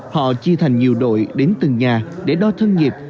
họ chia thành nhiều đội đến từng nhà để đo thân nhiệt